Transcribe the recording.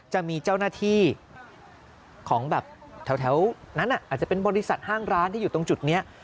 จะมีเจ้าหน้าที่ของแบบแถวนั้นอาจจะเป็นบริษัทห้างร้านที่อยู่ตรงจุดนี้